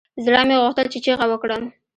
زړه مې غوښتل چې چيغه وکړم.